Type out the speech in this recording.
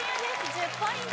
１０ポイント